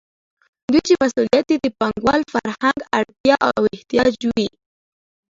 دوی چې مصونیت یې د پانګوال فرهنګ اړتیا او احتیاج وي.